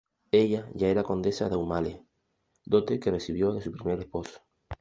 Ella ya era condesa de Aumale, dote que recibió de su primer esposo.